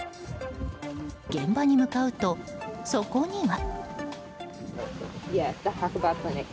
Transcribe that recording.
現場に向かうと、そこには。